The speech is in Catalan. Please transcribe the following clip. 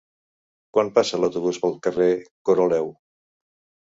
Quan passa l'autobús pel carrer Coroleu?